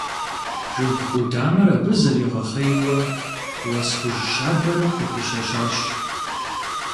Жыг къудамэр абы зэригъэхъейуэ уэс хужь щабэр къыпыщэщащ.